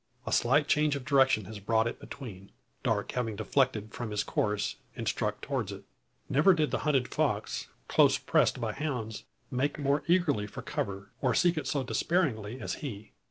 A slight change of direction has brought it between; Darke having deflected from his course, and struck towards it. Never did hunted fox, close pressed by hounds, make more eagerly for cover, or seek it so despairingly as he.